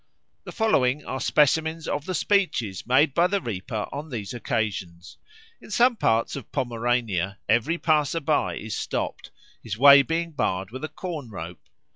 The following are specimens of the speeches made by the reaper on these occasions. In some parts of Pomerania every passer by is stopped, his way being barred with a corn rope.